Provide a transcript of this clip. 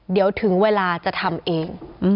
เดี๋ยวถึงเวลาจะทำเอง